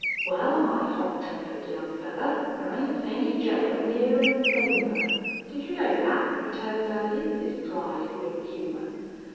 "Wal, my hot tempered young fellar, thar ain't any jail nearer 'n Denver. Did you know that?" returned Burley, with his dry, grim humor.